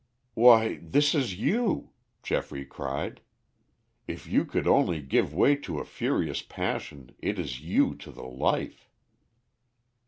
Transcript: "Why, this is you," Geoffrey cried. "If you could only give way to a furious passion, it is you to the life."